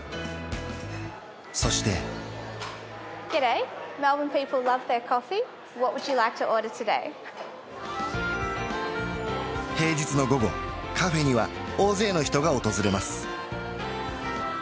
そして平日の午後カフェには大勢の人が訪れます